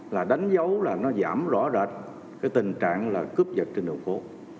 là đánh dấu là nó giảm rõ rệt cái tình trạng là cướp giật trên đường phố